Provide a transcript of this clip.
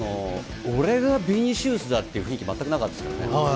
俺がビニシウスだっていう雰囲気全くなかったんですよね。